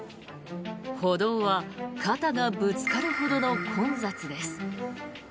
歩道は肩がぶつかるほどの混雑です。